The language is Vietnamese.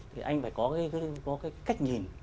thì anh phải có cái cách nhìn